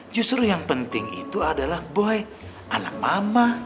justru yang penting itu adalah boy anak mama